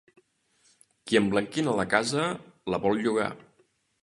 Qui emblanquina la casa, la vol llogar.